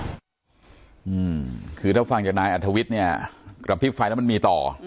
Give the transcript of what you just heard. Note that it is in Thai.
อืมคือถ้าฟังจากนายอัธวิทย์เนี่ยกระพริบไฟแล้วมันมีต่อ